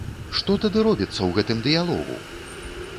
Што тады робіцца ў гэтым дыялогу?!